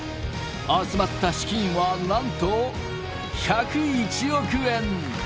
集まった資金はなんと１０１億円。